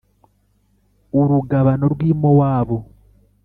urugabano rw i Mowabu